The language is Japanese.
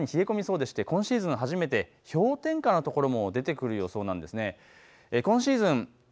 ただ、あす朝さらに冷え込みそうでして今シーズン初めて氷点下の所も出てくる予想なんですね。